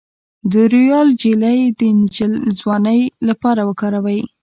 د رویال جیلی د ځوانۍ لپاره وکاروئ